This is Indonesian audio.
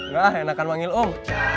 nah enakan panggil om